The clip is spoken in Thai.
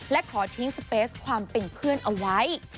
และขอทิ้งสเปสความเป็นเพื่อนเอาไว้